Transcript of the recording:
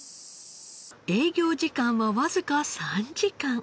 営業時間はわずか３時間。